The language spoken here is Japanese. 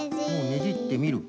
ねじってみる。